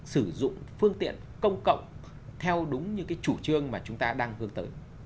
sử dụng phương tiện công cộng theo đúng như cái chủ trương mà chúng ta đang hướng tới